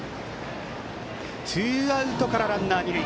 ツーアウトからランナー、二塁。